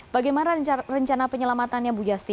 bagaimana rencana penyelamatannya bu yasti